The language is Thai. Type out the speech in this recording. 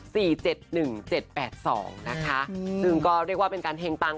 ซึ่งก็เรียกว่าเป็นการแห่งปัง